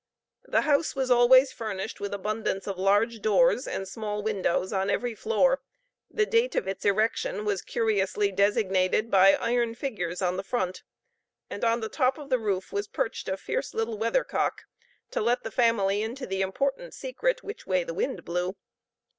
The house was always furnished with abundance of large doors and small windows on every floor, the date of its erection was curiously designated by iron figures on the front, and on the top of the roof was perched a fierce little weathercock, to let the family into the important secret which way the wind blew.